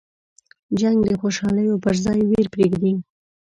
جنګ د خوشحالیو په ځای ویر پرېږدي.